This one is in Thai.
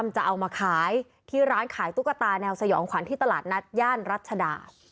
จะเอามาขายที่ร้านขายตุ๊กตาแนวสยองขวัญที่ตลาดนัดย่านรัชดา